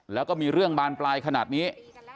แล้วก็มีเรื่องบานปลายขนาดนี้